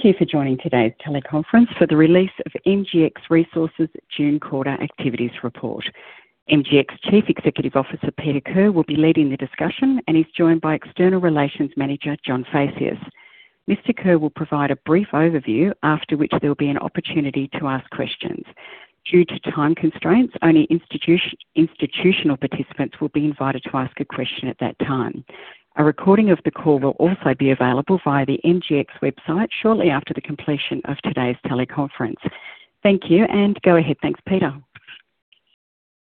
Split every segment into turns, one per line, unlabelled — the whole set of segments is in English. Thank you for joining today's teleconference for the release of MGX Resources' June quarter activities report. MGX Chief Executive Officer, Peter Kerr, will be leading the discussion and is joined by External Relations Manager, John Phaceas. Mr. Kerr will provide a brief overview, after which there will be an opportunity to ask questions. Due to time constraints, only institutional participants will be invited to ask a question at that time. A recording of the call will also be available via the MGX website shortly after the completion of today's teleconference. Thank you, and go ahead. Thanks, Peter.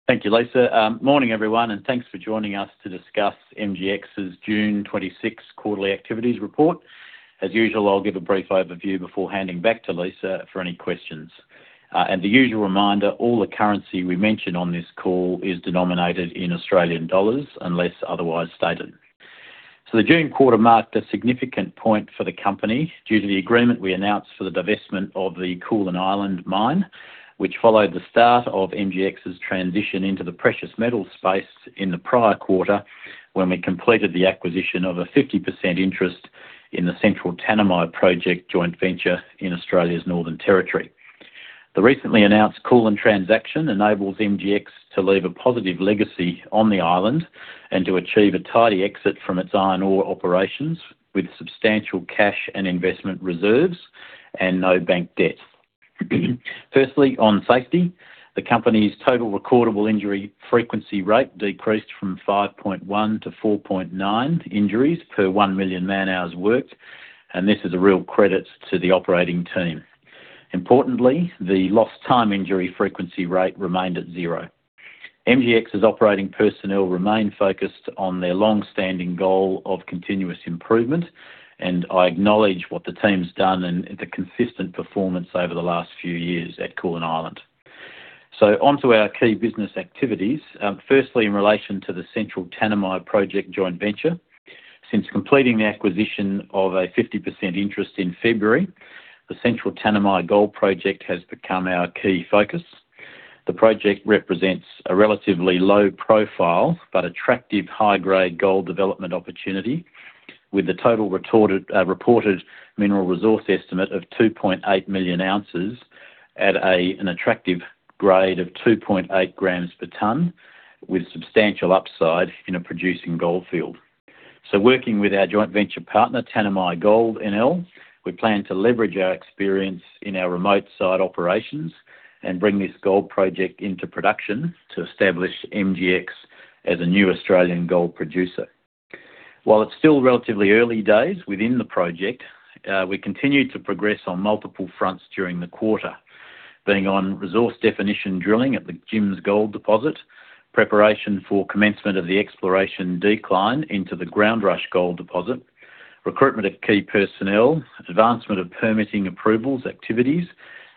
Thank you, Lisa. Morning, everyone, and thanks for joining us to discuss MGX's June 2026 quarterly activities report. As usual, I'll give a brief overview before handing back to Lisa for any questions. The usual reminder, all the currency we mention on this call is denominated in Australian dollars unless otherwise stated. The June quarter marked a significant point for the company due to the agreement we announced for the divestment of the Koolan Island mine, which followed the start of MGX's transition into the precious metals space in the prior quarter, when we completed the acquisition of a 50% interest in the Central Tanami Project Joint Venture in Australia's Northern Territory. The recently announced Koolan transaction enables MGX to leave a positive legacy on the island and to achieve a tidy exit from its iron ore operations with substantial cash and investment reserves and no bank debt. Firstly, on safety, the company's total recordable injury frequency rate decreased from 5.1 to 4.9 injuries per 1 million man-hours worked, and this is a real credit to the operating team. Importantly, the lost time injury frequency rate remained at zero. MGX's operating personnel remain focused on their long-standing goal of continuous improvement, and I acknowledge what the team's done and the consistent performance over the last few years at Koolan Island. Onto our key business activities. Firstly, in relation to the Central Tanami Project Joint Venture. Since completing the acquisition of a 50% interest in February, the Central Tanami Gold Project has become our key focus. The project represents a relatively low profile but attractive high-grade gold development opportunity with a total reported mineral resource estimate of 2.8 million ounces at an attractive grade of 2.8 g/ton, with substantial upside in a producing gold field. Working with our joint venture partner, Tanami Gold NL, we plan to leverage our experience in our remote site operations and bring this gold project into production to establish MGX as a new Australian gold producer. While it's still relatively early days within the project, we continue to progress on multiple fronts during the quarter, being on resource definition drilling at the Jims gold deposit, preparation for commencement of the exploration decline into the Groundrush gold deposit, recruitment of key personnel, advancement of permitting approvals activities,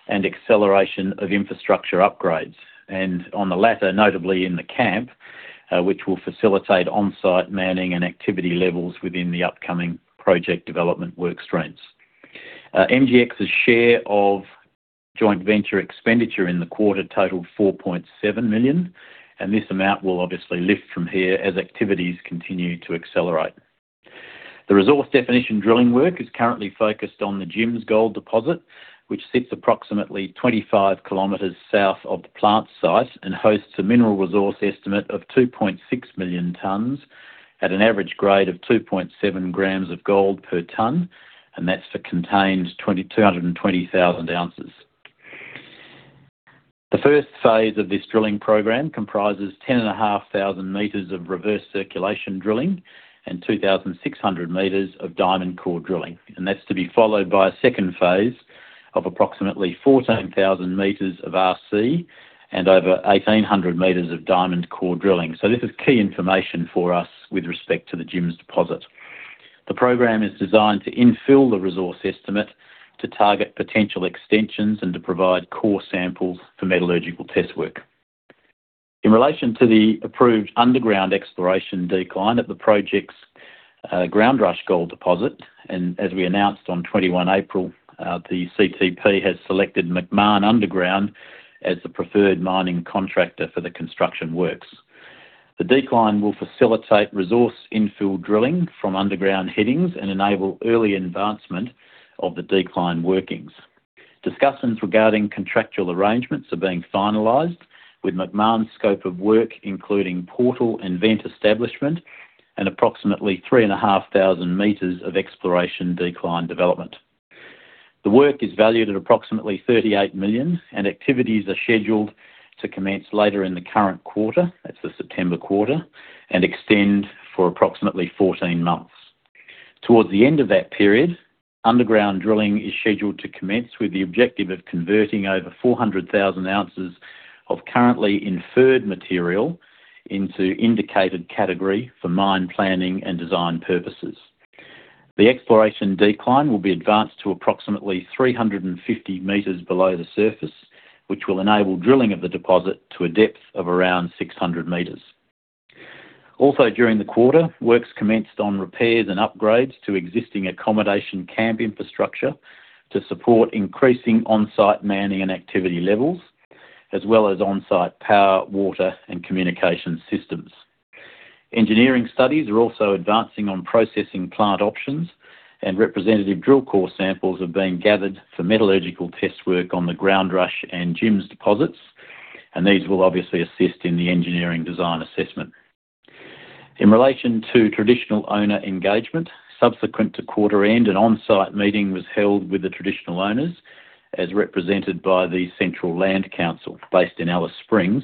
and acceleration of infrastructure upgrades. On the latter, notably in the camp, which will facilitate on-site manning and activity levels within the upcoming project development work streams. MGX's share of joint venture expenditure in the quarter totaled 4.7 million, and this amount will obviously lift from here as activities continue to accelerate. The resource definition drilling work is currently focused on the Jims gold deposit, which sits approximately 25 km south of the plant site and hosts a mineral resource estimate of 2.6 million tons at an average grade of 2.7 g of gold/ton, and that's for contained 220,000 oz. The first phase of this drilling program comprises 10,500 m of reverse circulation drilling and 2,600 m of diamond core drilling, and that's to be followed by a second phase of approximately 14,000 m of RC and over 1,800 m of diamond core drilling. This is key information for us with respect to the Jims deposit. The program is designed to infill the resource estimate to target potential extensions and to provide core samples for metallurgical test work. In relation to the approved underground exploration decline at the project's Groundrush gold deposit, and as we announced on 21 April, the CTP has selected Macmahon Underground as the preferred mining contractor for the construction works. The decline will facilitate resource infill drilling from underground headings and enable early advancement of the decline workings. Discussions regarding contractual arrangements are being finalized with Macmahon's scope of work, including portal and vent establishment and approximately 3,500 m of exploration decline development. The work is valued at approximately 38 million, and activities are scheduled to commence later in the current quarter, that's the September quarter, and extend for approximately 14 months. Towards the end of that period, underground drilling is scheduled to commence with the objective of converting over 400,000 oz of currently inferred material into indicated category for mine planning and design purposes. The exploration decline will be advanced to approximately 350 m below the surface, which will enable drilling of the deposit to a depth of around 600 m. Also during the quarter, works commenced on repairs and upgrades to existing accommodation camp infrastructure to support increasing on-site manning and activity levels as well as on-site power, water, and communication systems. Engineering studies are also advancing on processing plant options, and representative drill core samples are being gathered for metallurgical test work on the Groundrush and Jims deposits. These will obviously assist in the engineering design assessment. In relation to traditional owner engagement, subsequent to quarter end, an on-site meeting was held with the Traditional Owners, as represented by the Central Land Council based in Alice Springs,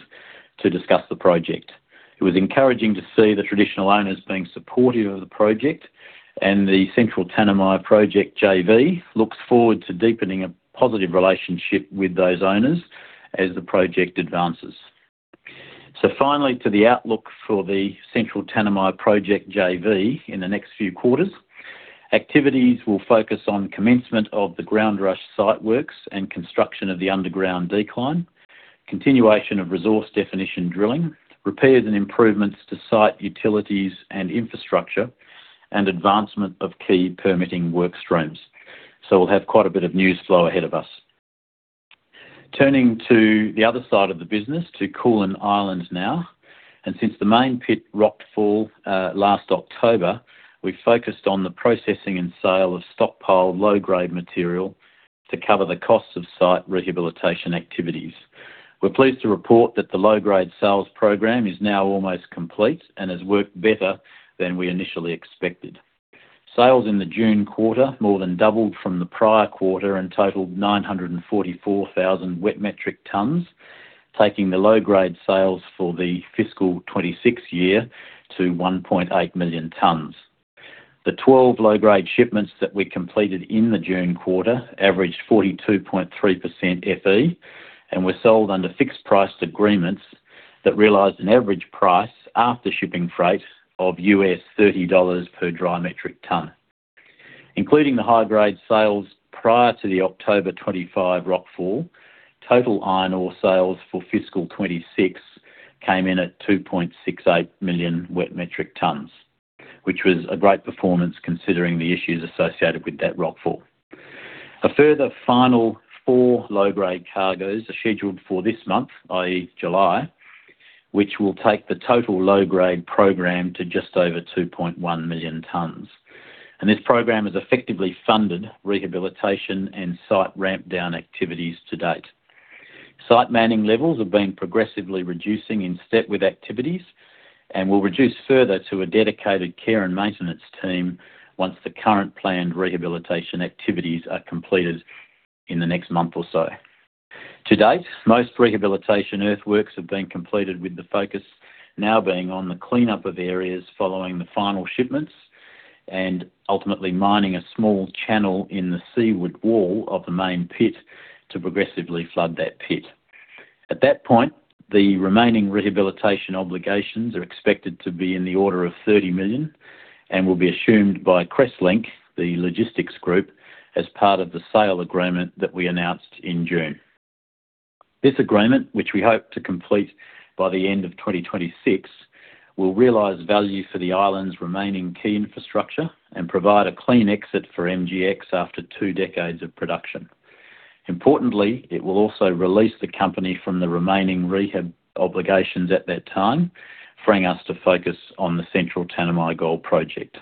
to discuss the project. It was encouraging to see the Traditional Owners being supportive of the project and the Central Tanami Project JV looks forward to deepening a positive relationship with those owners as the project advances. Finally, to the outlook for the Central Tanami Project JV in the next few quarters. Activities will focus on commencement of the Groundrush site works and construction of the underground decline, continuation of resource definition drilling, repairs and improvements to site utilities and infrastructure, and advancement of key permitting workstreams. We'll have quite a bit of news flow ahead of us. Turning to the other side of the business, to Koolan Island now. Since the main pit rock fall last October 2025, we've focused on the processing and sale of stockpile low-grade material to cover the cost of site rehabilitation activities. We're pleased to report that the low-grade sales program is now almost complete and has worked better than we initially expected. Sales in the June quarter more than doubled from the prior quarter and totaled 944,000 wet metric tons, taking the low-grade sales for the FY 2026 year to 1.8 million tons. The 12 low-grade shipments that we completed in the June quarter averaged 42.3% FE and were sold under fixed price agreements that realized an average price after shipping freight of $30/dry metric ton. Including the high-grade sales prior to the October 2025 rock fall, total iron ore sales for FY 2026 came in at 2.68 million wet metric tons, which was a great performance considering the issues associated with that rock fall. A further final four low-grade cargoes are scheduled for this month, i.e., July, which will take the total low-grade program to just over 2.1 million tons. This program has effectively funded rehabilitation and site ramp down activities to date. Site manning levels have been progressively reducing in step with activities and will reduce further to a dedicated care and maintenance team once the current planned rehabilitation activities are completed in the next month or so. To date, most rehabilitation earthworks have been completed, with the focus now being on the cleanup of areas following the final shipments and ultimately mining a small channel in the seaward wall of the main pit to progressively flood that pit. At that point, the remaining rehabilitation obligations are expected to be in the order of 30 million and will be assumed by Crestlink, the logistics group, as part of the sale agreement that we announced in June. This agreement, which we hope to complete by the end of 2026, will realize value for the Island's remaining key infrastructure and provide a clean exit for MGX after two decades of production. Importantly, it will also release the company from the remaining rehab obligations at that time, freeing us to focus on the Central Tanami Gold Project.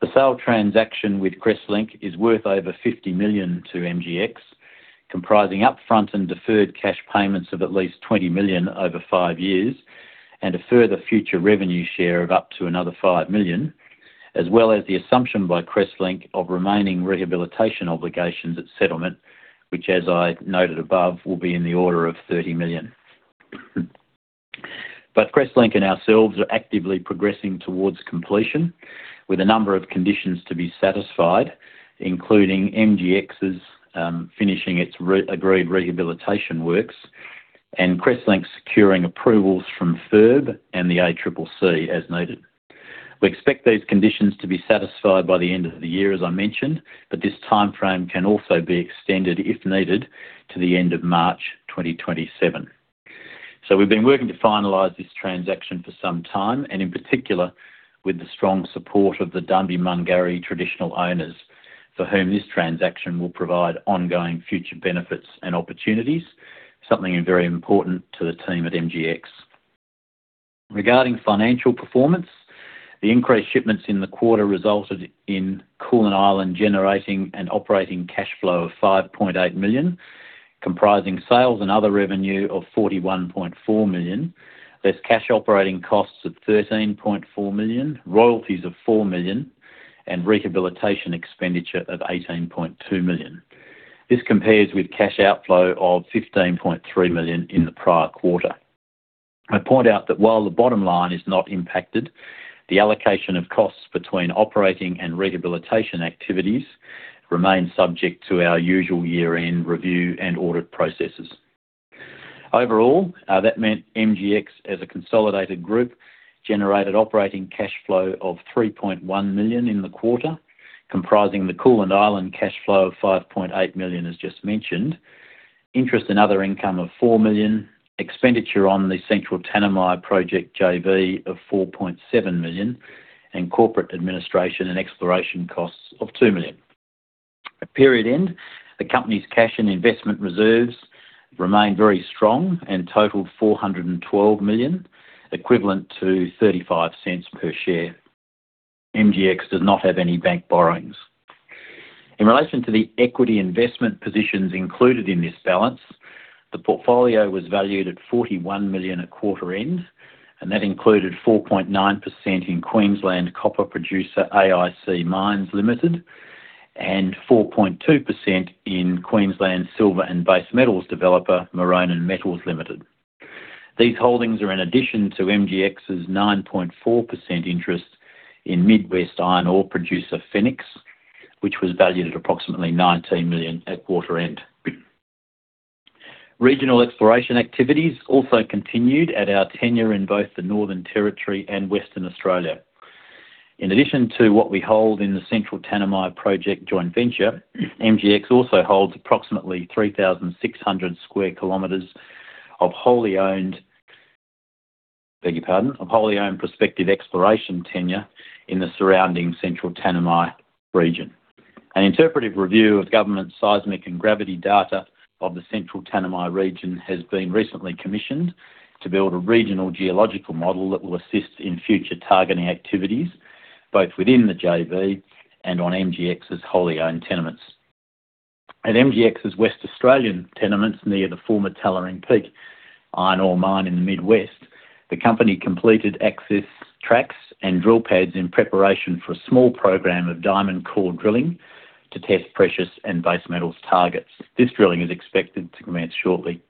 The sale transaction with Crestlink is worth over 50 million to MGX, comprising upfront and deferred cash payments of at least 20 million over five years and a further future revenue share of up to another 5 million, as well as the assumption by Crestlink of remaining rehabilitation obligations at settlement, which, as I noted above, will be in the order of 30 million. Crestlink and ourselves are actively progressing towards completion with a number of conditions to be satisfied, including MGX's finishing its agreed rehabilitation works and Crestlink securing approvals from FIRB and the ACCC, as needed. We expect these conditions to be satisfied by the end of the year, as I mentioned, but this timeframe can also be extended if needed to the end of March 2027. We've been working to finalize this transaction for some time, and in particular, with the strong support of the Dambimangari Traditional Owners, for whom this transaction will provide ongoing future benefits and opportunities, something very important to the team at MGX. Regarding financial performance, the increased shipments in the quarter resulted in Koolan Island generating an operating cash flow of 5.8 million, comprising sales and other revenue of 41.4 million, less cash operating costs of 13.4 million, royalties of 4 million, and rehabilitation expenditure of 18.2 million. This compares with cash outflow of 15.3 million in the prior quarter. I point out that while the bottom line is not impacted, the allocation of costs between operating and rehabilitation activities remains subject to our usual year-end review and audit processes. Overall, that meant MGX, as a consolidated group, generated operating cash flow of 3.1 million in the quarter, comprising the Koolan Island cash flow of 5.8 million, as just mentioned, interest and other income of 4 million, expenditure on the Central Tanami Project JV of 4.7 million, and corporate administration and exploration costs of 2 million. At period end, the company's cash and investment reserves remain very strong and totaled 412 million, equivalent to 0.35/share. MGX does not have any bank borrowings. In relation to the equity investment positions included in this balance, the portfolio was valued at 41 million at quarter end, and that included 4.9% in Queensland copper producer AIC Mines Limited and 4.2% in Queensland silver and base metals developer Maronan Metals Limited. These holdings are an addition to MGX's 9.4% interest in Mid-West iron ore producer Fenix, which was valued at approximately 19 million at quarter end. Regional exploration activities also continued at our tenure in both the Northern Territory and Western Australia. In addition to what we hold in the Central Tanami Project Joint Venture, MGX also holds approximately 3,600 sq km of wholly-owned prospective exploration tenure in the surrounding Central Tanami region. An interpretive review of government seismic and gravity data of the Central Tanami region has been recently commissioned to build a regional geological model that will assist in future targeting activities, both within the JV and on MGX's wholly-owned tenements. At MGX's West Australian tenements near the former Tallering Peak iron ore mine in the Mid-West, the company completed access tracks and drill pads in preparation for a small program of diamond core drilling to test precious and base metals targets. This drilling is expected to commence shortly.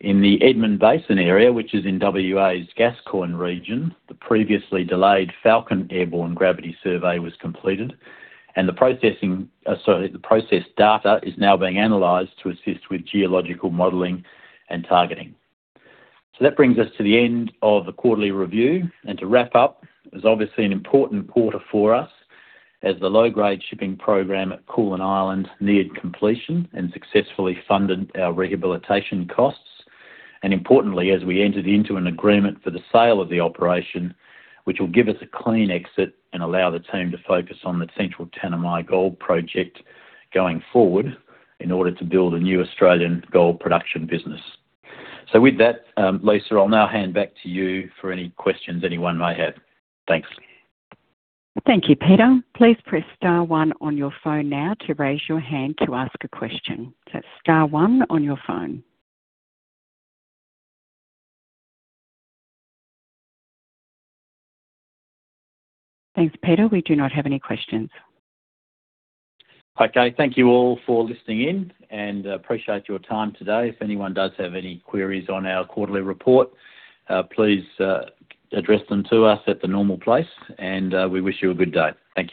In the Edmund Basin area, which is in W.A.'s Gascoyne region, the previously delayed Falcon airborne gravity survey was completed. The process data is now being analyzed to assist with geological modeling and targeting. That brings us to the end of the quarterly review. To wrap up, it was obviously an important quarter for us as the low-grade shipping program at Koolan Island neared completion and successfully funded our rehabilitation costs. Importantly, as we entered into an agreement for the sale of the operation, which will give us a clean exit and allow the team to focus on the Central Tanami Gold Project going forward in order to build a new Australian gold production business. With that, Lisa, I'll now hand back to you for any questions anyone may have. Thanks.
Thank you, Peter. Please press star one on your phone now to raise your hand to ask a question. Star one on your phone. Thanks, Peter. We do not have any questions.
Thank you all for listening in, appreciate your time today. If anyone does have any queries on our quarterly report, please address them to us at the normal place, we wish you a good day. Thank you.